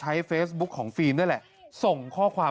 หัวดูลาย